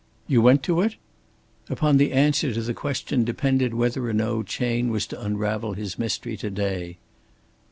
"You went to it?" Upon the answer to the question depended whether or no Chayne was to unravel his mystery, to day.